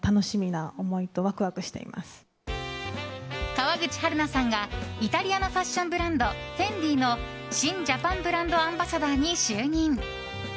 川口春奈さんがイタリアのファッションブランドフェンディの新ジャパンブランドアンバサダーに就任。